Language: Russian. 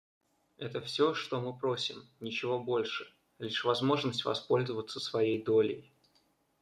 Это все, что мы просим, ничего больше — лишь возможность воспользоваться своей долей.